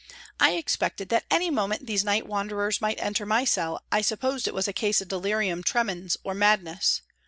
I expected that any moment these night wanderers might enter my cell, I supposed it was a case of delirium tremens or madness.